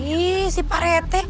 ih si pak rete